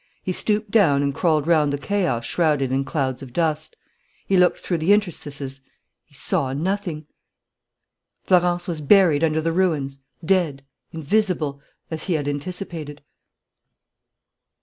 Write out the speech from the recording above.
He stooped down and crawled round the chaos shrouded in clouds of dust. He looked through the interstices. He saw nothing. Florence was buried under the ruins, dead, invisible, as he had anticipated.